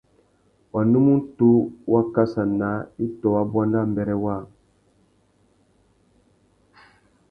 Wanúmútú wá kassa naā itô wa buanda mbêrê waā.